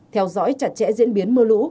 hai theo dõi chặt chẽ diễn biến mưa lũ